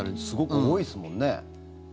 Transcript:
すごく多いですもんね。